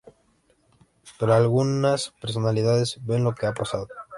Pero, algunas personalidades ven lo que ha pasado.